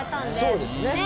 そうですね。